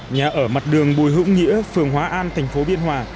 nhà ở mặt đường bùi hữu nghĩa phường hóa an thành phố biên hòa